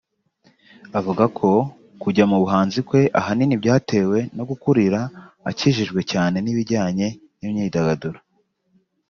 Avuga ko kujya mu buhanzi kwe abahini byatewe no gukurira akikijwe cyane n’ibijyanye n’imyidagaduro